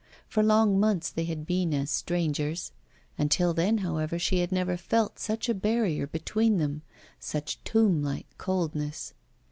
For long months they had been as strangers; until then, however, she had never felt such a barrier between them, such tomb like coldness.